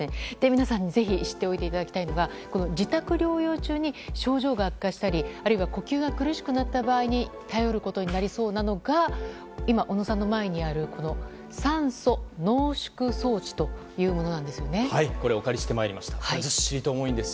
皆さんにぜひ知っておいていただきたいのが自宅療養中に症状が悪化したりあるいは呼吸が苦しくなった場合頼ることになりそうなのが今、小野さんの前にある酸素濃縮装置というものなんです。